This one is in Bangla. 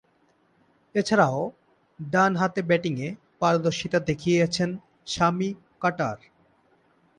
এছাড়াও, ডানহাতে ব্যাটিংয়ে পারদর্শীতা দেখিয়েছেন স্যামি কার্টার।